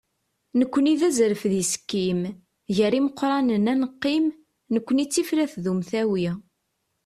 nekkni d azref d isekkim, gar imeqranen ad neqqim, nekkni d tifrat d umtawi.